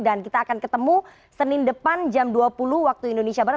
dan kita akan ketemu senin depan jam dua puluh waktu indonesia barat